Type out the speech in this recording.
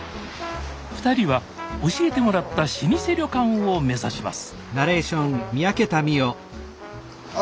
２人は教えてもらった老舗旅館を目指します